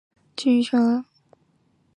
属牂牁郡。